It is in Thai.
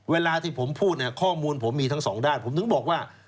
เวลาที่ผมพูดเนี่ยข้อมูลผมมีทั้งสองด้านผมถึงบอกว่า